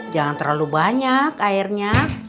jangan terlalu banyak airnya